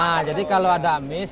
nah jadi kalau ada amis